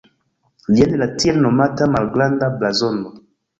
Jen la tiel nomata "malgranda blazono".